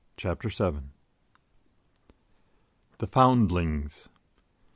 Chapter 7 THE FOUNDLINGS M.